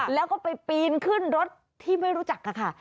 แล้วก็ไปปีนขึ้นรถที่ไม่รู้จักค่ะ